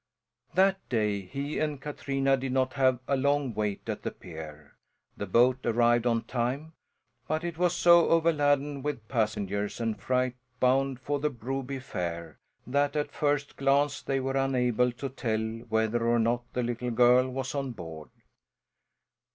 That day he and Katrina did not have a long wait at the pier. The boat arrived on time, but it was so overladen with passengers and freight bound for the Broby Fair that at first glance they were unable to tell whether or not the little girl was on board.